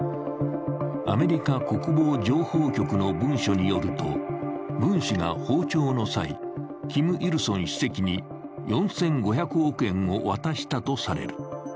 アメリカ国防情報局の文書によると、文氏が訪朝の際キム・イルソン主席に４５００億円を渡したとされる。